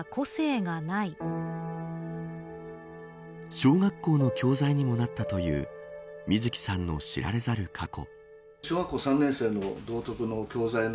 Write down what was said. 小学校の教材にもなったという水木さんの知られざる過去。